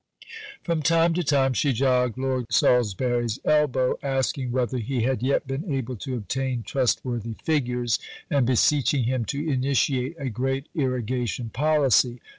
From time to time she jogged Lord Salisbury's elbow, asking whether he had yet been able to obtain trustworthy figures, and beseeching him to initiate a great irrigation policy.